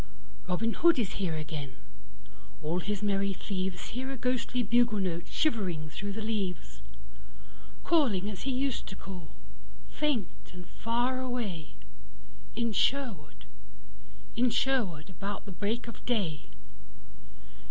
Robin Hood is here again: all his merry thievesHear a ghostly bugle note shivering through the leaves, Calling as he used to call, faint and far away, In Sherwood, in Sherwood, about the break of day.